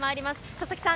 佐々木さん